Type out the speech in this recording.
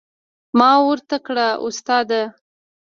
ما ورته کړه استاده.